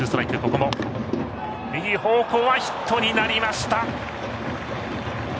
右方向はヒットになりました。